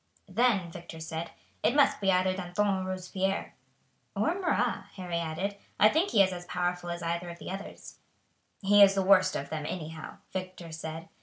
"Then," Victor said, "it must be either Danton or Robespierre." "Or Marat," Harry added; "I think he is as powerful as either of the others." "He is the worst of them, anyhow," Victor said.